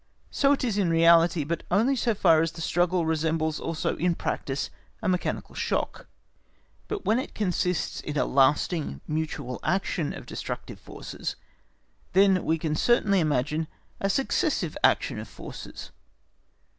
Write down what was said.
So it is in reality, but only so far as the struggle resembles also in practice a mechanical shock, but when it consists in a lasting, mutual action of destructive forces, then we can certainly imagine a successive action of forces.